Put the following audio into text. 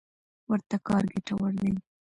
ورته کار ګټور دی.